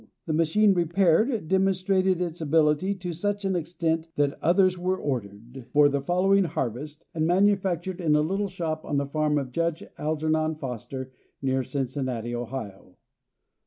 The machine repaired demonstrated its ability to such an extent that others were ordered for the following harvest, and manufactured in a little shop on the farm of Judge Algernon Foster, near Cincinnati, Ohio.